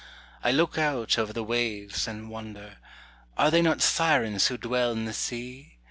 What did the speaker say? I look out over the waves and wonder, Are they not sirens who dwell in the sea?